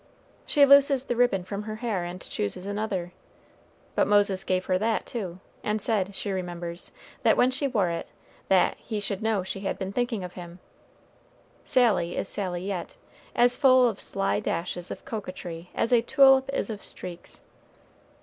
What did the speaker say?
She looses the ribbon from her hair and chooses another, but Moses gave her that too, and said, she remembers, that when she wore that "he should know she had been thinking of him." Sally is Sally yet as full of sly dashes of coquetry as a tulip is of streaks.